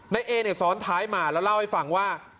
น้อยนี่ซ้อนถ่ายมาแล้วเล่าให้ฟังว่า